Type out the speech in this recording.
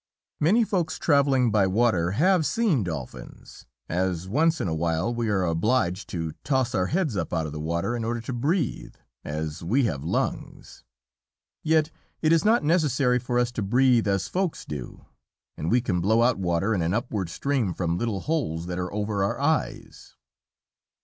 Many Folks travelling by water have seen Dolphins, as once in awhile we are obliged to toss our heads up out of the water in order to breathe, as we have lungs. Yet it is not necessary for us to breathe as Folks do, and we can blow out water in an upward stream from little holes that are over our eyes.